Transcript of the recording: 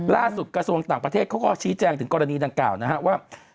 กระทรวงต่างประเทศเขาก็ชี้แจงถึงกรณีดังกล่าวนะครับว่า